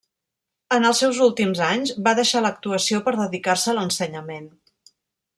En els seus últims anys va deixar l'actuació per dedicar-se a l'ensenyament.